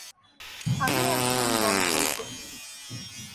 আমি একজন দমকল কর্মী।